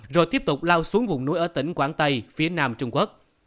rồi tiếp tục lao xuống vùng núi ở tỉnh quảng tây phía nam trung quốc